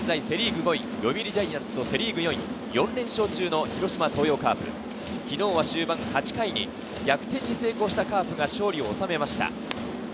セ・リーグ５位・読売ジャイアンツと、セ・リーグ４位、４連勝中の広島東洋カープ、昨日は逆転に成功したカープが勝利を収めました。